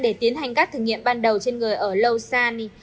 để tiến hành các thử nghiệm ban đầu trên người ở lausanne